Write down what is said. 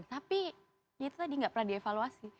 tapi itu tadi tidak pernah dievaluasi